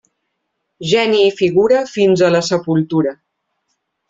Geni i figura fins a la sepultura.